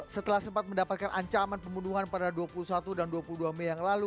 setelah sempat mendapatkan ancaman pembunuhan pada dua puluh satu dan dua puluh dua mei yang lalu